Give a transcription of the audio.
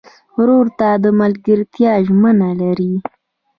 ورور ته د ملګرتیا ژمنه لرې.